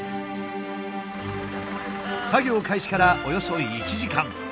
作業開始からおよそ１時間。